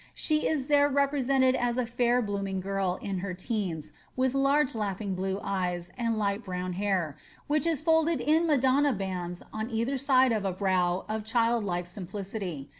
She is there represented as a fair blooming girl in her teens, with large laughing blue eyes and light brown hair, which is folded in Madonna bands on either side a brow of child like simplicity.